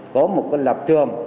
có một cái lập trường